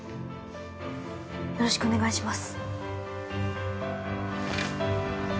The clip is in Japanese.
よろしくお願いします。